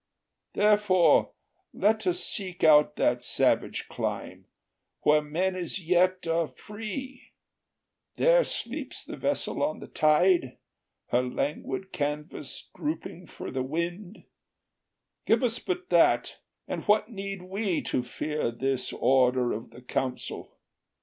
Therefore let us Seek out that savage clime, where men as yet Are free: there sleeps the vessel on the tide, Her languid canvas drooping for the wind; Give us but that, and what need we to fear This Order of the Council?